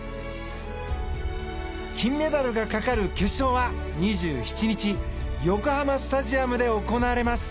金メダルがかかる決勝は２７日横浜スタジアムで行われます。